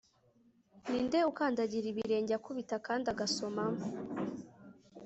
Ninde ukandagira ibirenge akubita kandi agasoma